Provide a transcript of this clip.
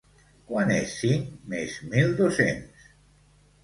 Quant és cinc més mil dos-cents?